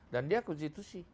dan dia konstitusi